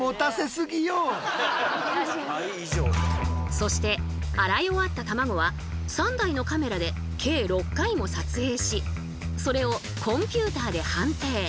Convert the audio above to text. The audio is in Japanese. そして洗い終わったたまごは３台のカメラで計６回も撮影しそれをコンピューターで判定。